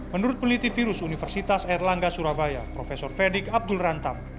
menurut peliti virus universitas erlangga surabaya prof fedik abdul rantam